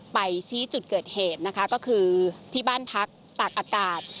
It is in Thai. ไปชี้จุดเกิดเหตุนะคะก็คือที่บ้านพักตากอากาศ